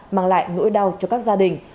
mang lại nỗi đau cho các gia đình